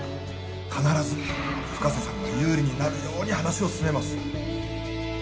必ず深瀬さんが有利になるように話を進めます